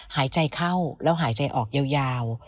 หายใจเข้าแล้วหายใจออกยาว